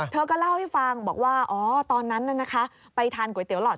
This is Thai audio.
เธอก็เล่าให้ฟังบอกว่าอ๋อตอนนั้นไปทานก๋วยเตี๋หลอด